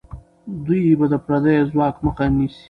دوی به د پردیو ځواک مخه نیسي.